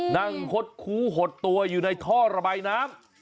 คดคู้หดตัวอยู่ในท่อระบายน้ำ